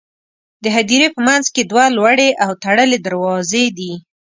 د هدیرې په منځ کې دوه لوړې او تړلې دروازې دي.